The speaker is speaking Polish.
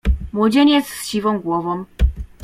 "Młodzieniec z siwą głową."